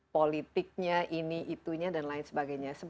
politiknya ini itunya dan lain sebagainya